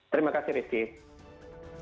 terima kasih rizky